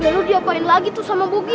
biar lu diapain lagi tuh sama bugi